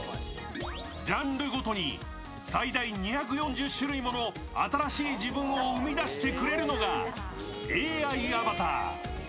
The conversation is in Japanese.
ジャンルごとに最大２４０種類もの新しい自分を生み出してくれるのがＡＩアバター。